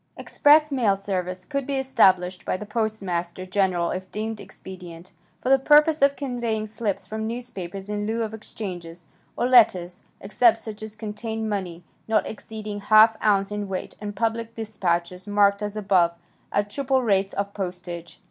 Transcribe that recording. "Express mail service" could be established by the Postmaster General if deemed expedient, for the purpose of conveying slips from newspapers in lieu of exchanges, or letters, except such as contained money, not exceeding ½ ounce in weight, and public dispatches, marked as above, at triple rates of postage.